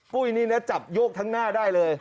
ปุ้ยนี่นะจับโยกทั้งหน้าได้เลย